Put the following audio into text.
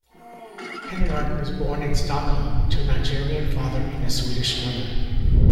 Henemark was born in Stockholm, to a Nigerian father and a Swedish mother.